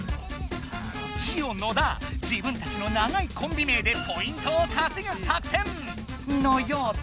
ジオ野田自分たちの長いコンビ名でポイントをかせぐ作戦！のようだが。